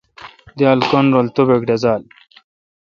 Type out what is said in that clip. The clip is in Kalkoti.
دییال کّن رل توبَک ڈزال۔